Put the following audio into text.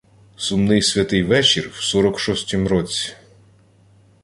Сумний святий вечір в сорок шостім році.